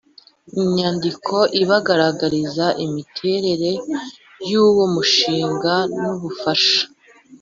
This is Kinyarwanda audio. inyandiko ibagaragariza imiterere y uwo mushinga n ubufasha